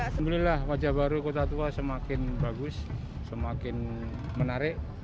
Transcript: alhamdulillah wajah baru kota tua semakin bagus semakin menarik